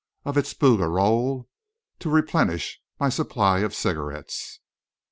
of its Bouguereau to replenish my supply of cigarettes.